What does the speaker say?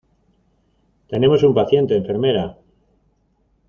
Tenemos un paciente, enfermera.